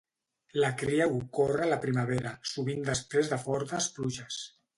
La cria ocorre a la primavera, sovint després de fortes pluges.